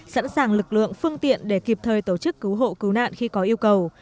sẵn sàng lực lượng phương tiện để kịp thời tổ chức cứu hộ cứu nạn khi có yêu cầu